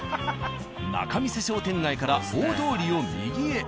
仲見世商店街から大通りを右へ。